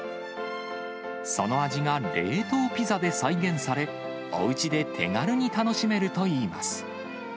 その味が冷凍ピザで再現され、おうちで手軽に楽しめるといいます。